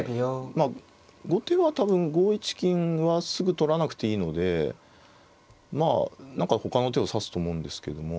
まあ後手は多分５一金はすぐ取らなくていいのでまあ何かほかの手を指すと思うんですけども。